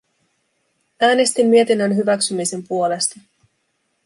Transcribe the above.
Äänestin mietinnön hyväksymisen puolesta.